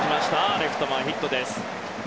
レフト前ヒット。